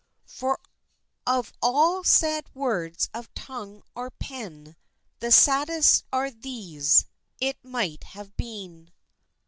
] "For of all sad words of tongue or pen, The saddest are these, 'It might have been.'"